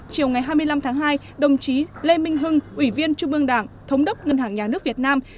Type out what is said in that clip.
chiều ngày hai mươi năm tháng hai đồng chí lê minh hưng ủy viên trung ương đảng thống đốc ngân hàng nhà nước việt nam